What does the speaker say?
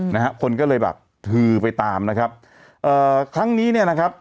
นะฮะคนก็เลยแบบฮือไปตามนะครับเอ่อครั้งนี้เนี่ยนะครับ